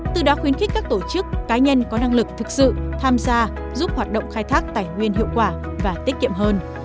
từ đó khuyến khích các tổ chức cá nhân có năng lực thực sự tham gia giúp hoạt động khai thác tài nguyên hiệu quả và tiết kiệm hơn